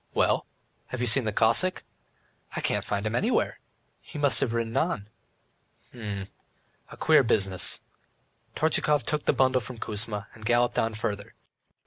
"Well, have you seen the Cossack?" "I can't find him anywhere, he must have ridden on." "H'm ... a queer business." Tortchakov took the bundle from Kuzma, and galloped on farther.